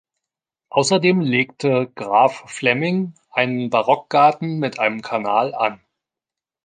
Außerdem legte Graf Flemming einen Barockgarten mit einem Kanal an.